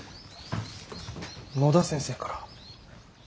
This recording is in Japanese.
野田先生から。